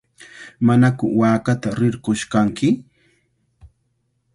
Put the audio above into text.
¿Manaku waakata rirqush kanki?